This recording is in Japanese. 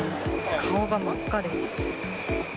顔が真っ赤です。